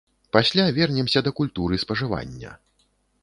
Пасля вернемся да культуры спажывання.